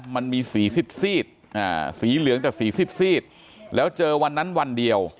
มันมีสีซีดสีเหลืองแต่สีซีดแล้วเจอวันนั้นวันเดียว